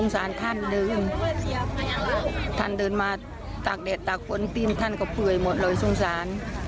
สัตว์ภาคท่านก็เลยมา